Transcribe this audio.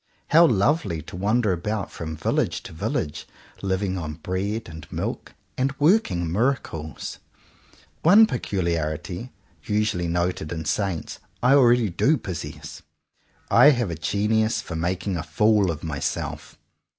How lovely to wander about from village to village, living on bread and milk, and working miracles! One peculiarity, usually noted in saints, I already do possess: I have a genius for making a fool of myself.